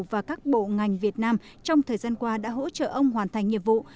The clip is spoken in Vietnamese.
và các bộ ngành việt nam trong thời gian qua đã hỗ trợ ông hoàn thành nhiệm vụ